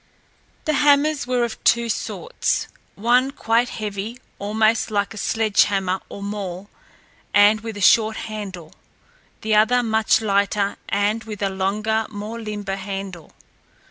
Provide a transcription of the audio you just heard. The hammers were of two sorts: one quite heavy, almost like a sledge hammer or maul, and with a short handle; the other much lighter, and with a longer, more limber handle.